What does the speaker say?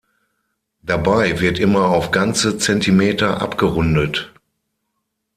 Dabei wird immer auf ganze Zentimeter abgerundet.